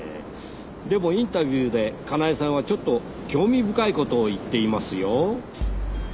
でもインタビューでかなえさんはちょっと興味深い事を言っていますよ。